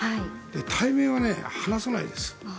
対面は話さないです。